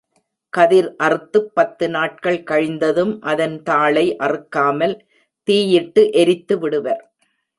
கதிர் அறுத்துப் பத்து நாட்கள் கழிந்ததும் அதன் தாளை அறுக்காமல் தீயிட்டு எரித்து விடுவர்.